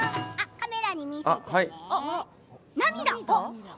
カメラに見せてね。